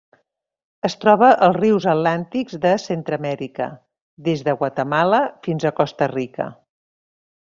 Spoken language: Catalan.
Es troba als rius atlàntics de Centreamèrica: des de Guatemala fins a Costa Rica.